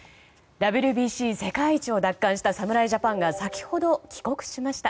ＷＢＣ、世界一を奪還した侍ジャパンが先ほど帰国しました。